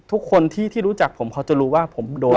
ทุกคนที่รู้จักผมพอจะรู้ว่าผมโดน